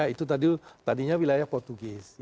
itu tadinya wilayah portugis